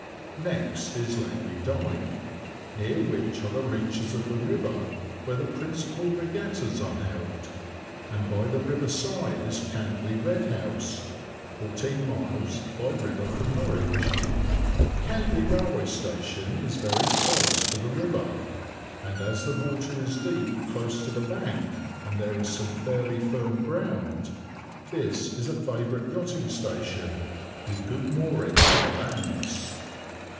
[Picture: Langley Dyke] Next is Langley Dyke, near which are the reaches of the river where the principal regattas are held, and by the river side is Cantley Red House (fourteen miles). Cantley railway station is very close to the river, and as the water is deep close to the bank, and there is some fairly firm ground, this is a favourite yachting station, with good mooring to the banks.